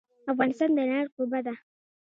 افغانستان د انار کوربه دی.